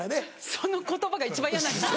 その言葉が一番嫌なんです